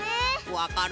わかる！